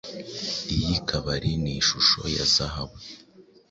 Iyi kabari ni ishusho ya zahabu